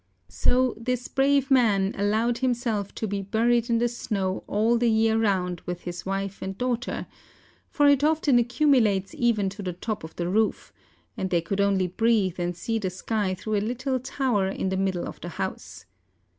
So this brave man allowed himself to be buried in the snow all the year round with his wife and daughter; for it often accumulates even to the top of the roof; and they could only breathe and see the sky through a little tower in the middle of the house.